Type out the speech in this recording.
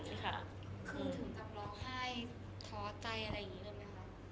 ใช่ค่ะคือถึงกับร้องไห้ท้อใจอะไรอย่างนี้เลยไหมคะ